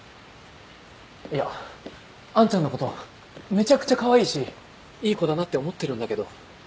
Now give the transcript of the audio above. いやアンちゃんのことめちゃくちゃかわいいしいい子だなって思ってるんだけど。